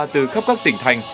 từ khắp các tỉnh thành